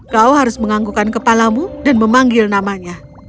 kau harus menganggukkan kepalamu dan memanggil namanya